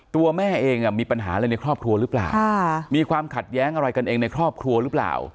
ตัวแม่เองมีปัญหาอะไรในครอบครัวหรือเปล่ามีความขัดแย้งอะไรกันเองในครอบครัวหรือเปล่า